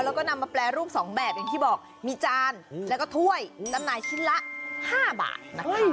แล้วก็นำมาแปรรูปสองแบบอย่างที่บอกมีจานแล้วก็ถ้วยจำหน่ายชิ้นละ๕บาทนะคะ